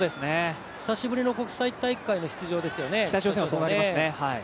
久しぶりの国際大会の出場ですよね。